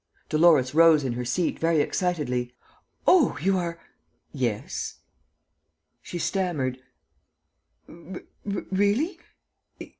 Dolores rose in her seat, very excitedly: "Oh, you are ..." "Yes." She stammered: "Really?